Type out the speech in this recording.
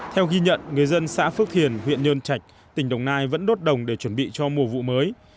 theo ghi nhận người dân xã phước thiền huyện nhơn trạch tỉnh đồng nai vẫn đốt đồng để chuẩn bị cho mùa vụ mới